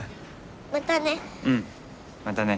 またね。